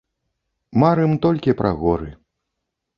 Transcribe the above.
Марым толькі пра горы.